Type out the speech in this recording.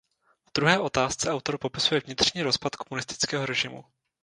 V druhé otázce autor popisuje vnitřní rozpad komunistického režimu.